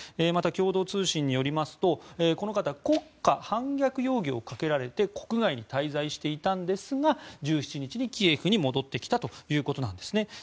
また共同通信によりますとこの方国家反逆容疑をかけられて国外に滞在していたんですが１７日にキエフに戻ってきたということなんですね。